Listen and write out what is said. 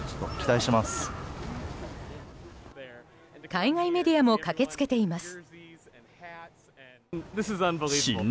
海外メディアも駆けつけています。